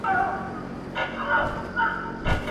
لکه سوی لکه هوسۍ، دی هم واښه خوري !.